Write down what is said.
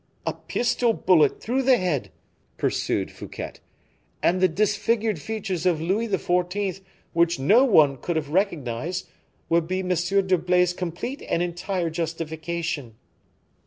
"A pistol bullet through the head," pursued Fouquet, "and the disfigured features of Louis XIV., which no one could have recognized, would be M. d'Herblay's complete and entire justification."